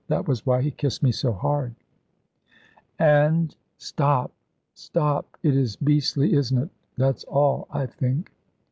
That was why he kissed so hard, and " "Stop! stop!" "It is beastly, isn't it? That's all, I think."